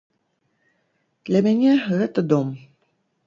Для мяне гэта дом.